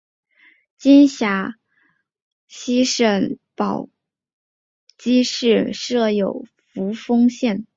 今陕西省宝鸡市设有扶风县。